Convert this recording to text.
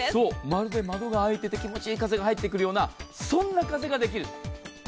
まるで窓が開いてて気持ちいい風が入ってくるような、そんな風ができる。